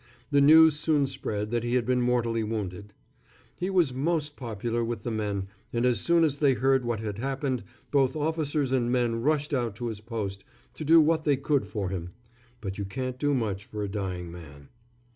The news soon spread that he had been mortally wounded. He was most popular with the men, and as soon as they heard what had happened both officers and men rushed out to his post, to do what they could for him. But you can't do much for a dying man.